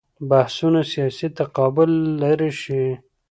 بحثونه سیاسي تقابل لرې شي.